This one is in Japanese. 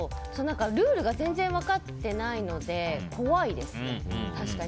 ルールが全然分かってないので怖いですね、確かに。